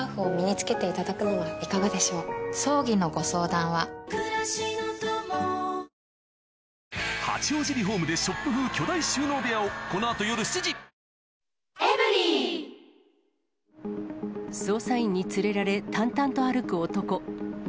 捜査員に連れられ、淡々と歩く男。